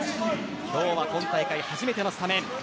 今日は今大会初めてのスタメン。